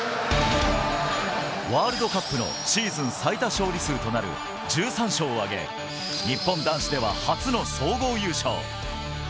ワールドカップのシーズン最多勝利数となる１３勝を挙げ、日本男子では初の総合優勝。